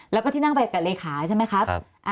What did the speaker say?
แล้วก็ที่นั่งไปกับเลขาใช่ไหมครับ